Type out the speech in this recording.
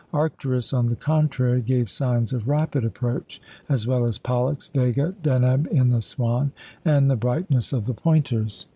Arcturus, on the contrary, gave signs of rapid approach, as well as Pollux, Vega, Deneb in the Swan, and the brightness of the Pointers.